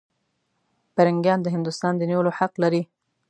پیرنګیان د هندوستان د نیولو حق لري.